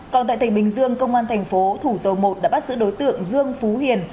còn tại tỉnh bình dương công an thành phố thủ dầu một đã bắt giữ đối tượng dương phú hiền